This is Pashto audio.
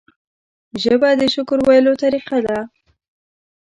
ژبه د شکر ویلو طریقه ده